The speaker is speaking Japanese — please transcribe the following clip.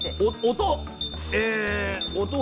音。